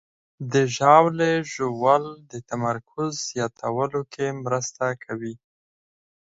د ژاولې ژوول د تمرکز زیاتولو کې مرسته کوي.